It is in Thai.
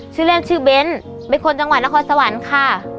ชื่อแรกชื่อเบ้นเป็นคนจังหวัดนครสวรรค์ค่ะ